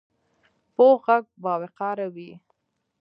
پوخ غږ باوقاره وي